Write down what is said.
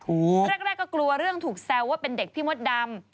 แรกก็กลัวเรื่องถูกแซวว่าเป็นเด็กพี่มดดำ